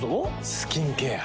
スキンケア。